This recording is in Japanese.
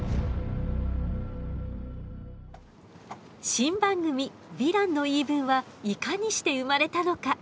新番組「ヴィランの言い分」はいかにして生まれたのか。